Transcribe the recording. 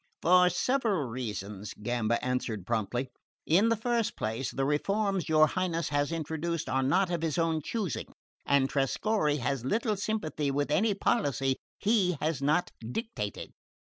"For several reasons," Gamba answered promptly. "In the first place, the reforms your Highness has introduced are not of his own choosing, and Trescorre has little sympathy with any policy he has not dictated.